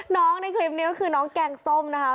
ในคลิปนี้ก็คือน้องแกงส้มนะคะ